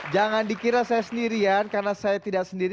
jangan dikira saya sendirian karena saya tidak sendiri